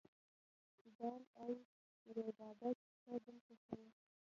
زال او رودابه کیسه دلته شوې